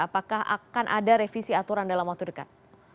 apakah akan ada revisi aturan dalam waktu dekat